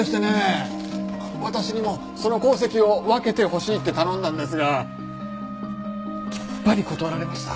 私にもその鉱石を分けてほしいって頼んだんですがきっぱり断られました。